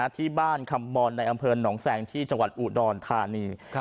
ที่บ้านคำบอลในอำเภอหนองแสงที่จังหวัดอุดรธานี